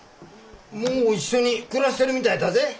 もう一緒に暮らしてるみたいだぜ。